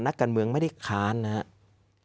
นักการเมืองไม่ได้ค้านนะครับ